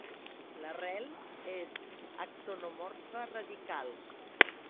L'arrel és axonomorfa radical.